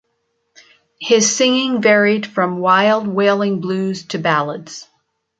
His singing varied from wild wailing blues to ballads.